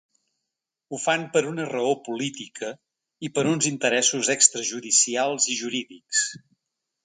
Ho fan per una raó política i per uns interessos extrajudicials i jurídics.